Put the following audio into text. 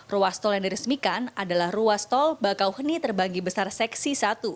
ruas tol yang diresmikan adalah ruas tol bakauheni terbagi besar seksi satu